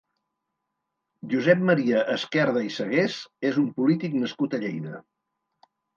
Josep Maria Esquerda i Segués és un polític nascut a Lleida.